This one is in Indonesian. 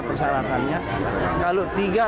persyaratannya kalau tiga